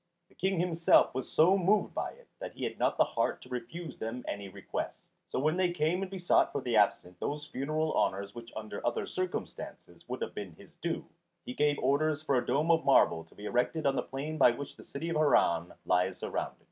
The King himself was so moved by it that he had not the heart to refuse to them any request. So when they came and besought for the absent those funeral honours which under other circumstances would have been his due, he gave orders for a dome of marble to be erected on the plain by which the city of Harran lies surrounded.